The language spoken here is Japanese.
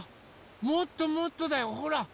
もっともっとだよほら。